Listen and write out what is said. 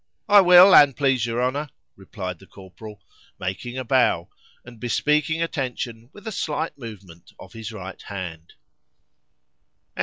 —I will, an' please your Honour, replied the Corporal, making a bow, and bespeaking attention with a slight movement of his right hand.